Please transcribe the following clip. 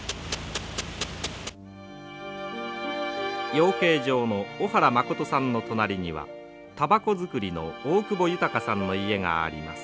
養鶏場の小原誠さんの隣にはたばこ作りの大久保豊さんの家があります。